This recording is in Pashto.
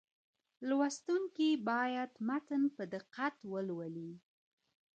لوستونکي باید متن په دقت ولولي.